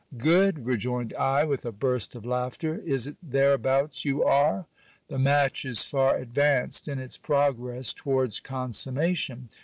Good ! rejoined I with a burst of laughter ; is it thereabouts you are ? The match is far advanced in its progress towards consummation.